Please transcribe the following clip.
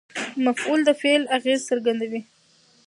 مفعول د فعل اغېز څرګندوي.